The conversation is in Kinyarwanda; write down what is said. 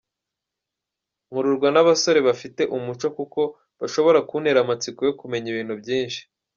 Nkururwa n’abasore bafite umuco kuko bashobora kuntera amatsiko yo kumenya ibintu byinshi.